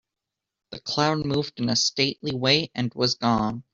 The cloud moved in a stately way and was gone.